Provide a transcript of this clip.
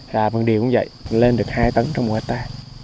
và vườn điều cũng vậy lên được hai tấn trong một hecta